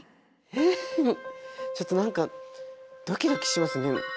えっちょっと何かドキドキしますね。